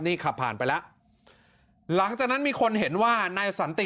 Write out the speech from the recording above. นี่ขับผ่านไปแล้วหลังจากนั้นมีคนเห็นว่านายสันติ